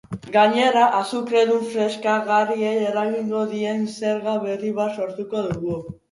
Gainera, azukredun freskagarriei eragingo dien zerga berri bat sortuko du.